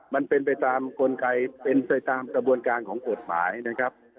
มันเป็นไปตามกลไกเป็นไปตามกระบวนการของกฎหมายนะครับ